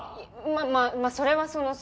まあまあそれはその。